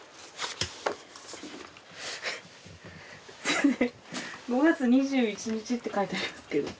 先生「５月２１日」って書いてありますけど。